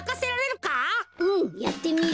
うんやってみる！